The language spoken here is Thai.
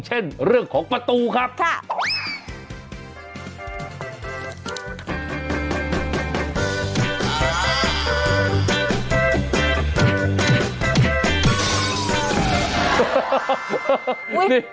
คุณปุ๊บน้ำคอบคิดช่วย